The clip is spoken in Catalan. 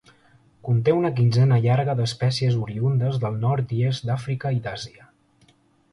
Conté una quinzena llarga d'espècies oriündes del nord i est d'Àfrica i d'Àsia.